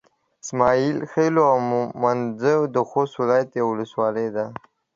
اسماعيل خېلو او مندوزي د خوست ولايت يوه ولسوالي ده.